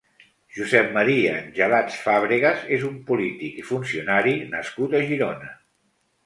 Josep Maria Angelats Fàbregas és un polític i funcionari nascut a Girona.